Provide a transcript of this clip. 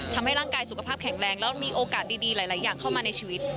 ทำให้ร่างกายสุขภาพแข็งแรงแล้วมีโอกาสดีหลายอย่างเข้ามาในชีวิต